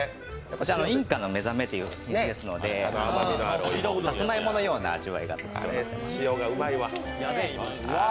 こちら、インカのめざめという種類ですので、さつまいものような味わいがあります。